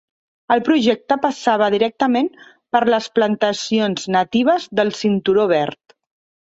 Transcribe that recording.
El projecte passava directament per les plantacions natives del Cinturó verd.